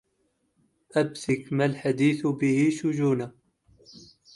أبثك ما الحديث به شجونا